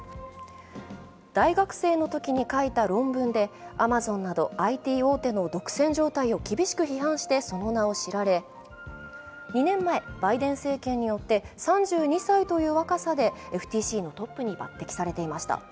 大学生のときに書いた論文で、アマゾンなどＩＴ大手の独占状態を厳しく批判して、その名を知られ２年前、バイデン政権によって３２歳という若さでＦＴＣのトップに抜てきされていました。